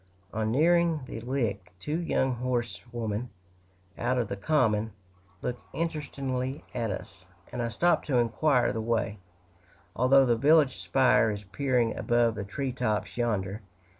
On nearing the Lick, two young horsewomen, out of the common, look interestedly at us, and I stop to inquire the way, although the village spire is peering above the tree tops yonder.